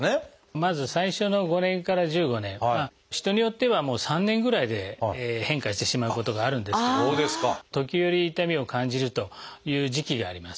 まず最初の５年から１５年人によっては３年ぐらいで変化してしまうことがあるんですけど時折痛みを感じるという時期があります。